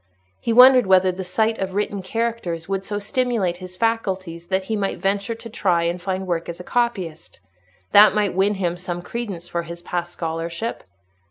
He wondered whether the sight of written characters would so stimulate his faculties that he might venture to try and find work as a copyist: that might win him some credence for his past scholarship.